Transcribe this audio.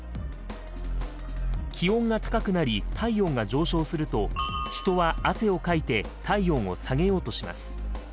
気温が高くなり体温が上昇すると人は汗をかいて体温を下げようとします。